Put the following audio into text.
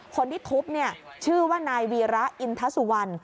คนที่ทุบชื่อว่านายวีระอินทาสุวัน